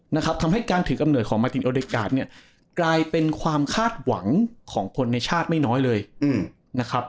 นะครับทำให้การถือกำเนิดของมาตินโอเดกาสเนี่ยกลายเป็นความคาดหวังของคนในชาติไม่น้อยเลยนะครับ